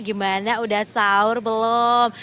gimana udah sahur belum